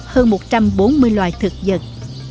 hơn một trăm bốn mươi loài thực vật